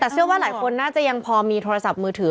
แต่เชื่อว่าหลายคนน่าจะยังพอมีโทรศัพท์มือถือ